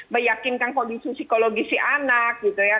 meyakinkan kondisi psikologi si anak gitu ya